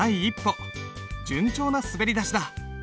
順調な滑り出しだ。